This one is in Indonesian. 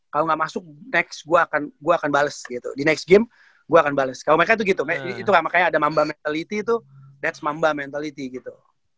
kalo gak masuk gue akan bales gitu di next game gue akan bales kalo mereka itu gitu itu kan kayak ada mamba mentality itu that s mamba mentality gitu